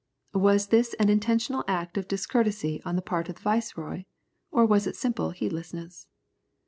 Was this an intentional act of discourtesy on the part of the viceroy? or was it simple heedlessness?